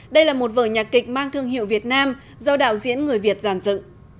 đây là một vở nhạc kịch mang thương hiệu việt nam do đạo diễn người việt giản dự